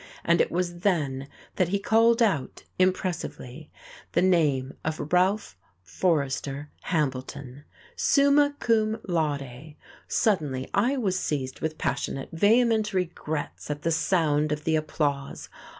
And it was then that he called out, impressively, the name of Ralph Forrester Hambleton. Summa cum laude! Suddenly I was seized with passionate, vehement regrets at the sound of the applause.